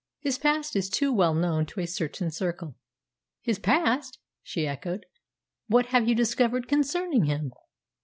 His past is too well known to a certain circle." "His past!" she echoed. "What have you discovered concerning him?"